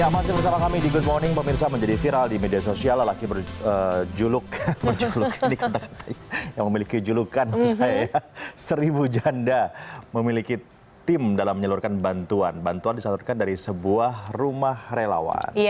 ya masih bersama kami di good morning pemirsa menjadi viral di media sosial lelaki berjuluk berjuluk yang dikatakan yang memiliki julukan seribu janda memiliki tim dalam menyalurkan bantuan bantuan disalurkan dari sebuah rumah relawan